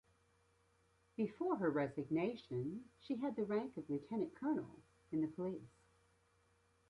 Before her resignation, she had the rank of the lieutenant colonel in the police.